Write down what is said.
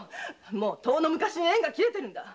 もうとおの昔に縁は切れてるんだ。